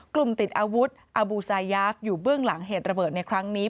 ติดอาวุธอบูซายาฟอยู่เบื้องหลังเหตุระเบิดในครั้งนี้